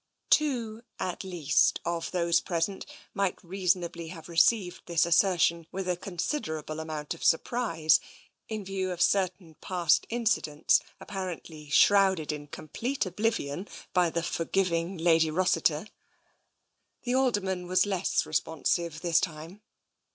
Two, at least, of those present might reasonably have received this assertion with a considerable amount of surprise, in view of certain past incidents apparently shrouded in complete oblivion by the forgiving Lady Rossiter. TENSION 231 The Alderman was less responsive this time.